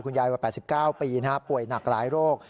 ยายว่า๘๙ปีป่วยหนักหลายโรค